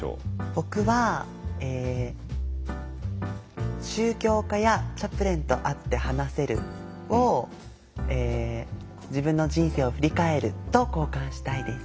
僕は「宗教家やチャプレンと会って話せる」を「自分の人生を振り返る」と交換したいです。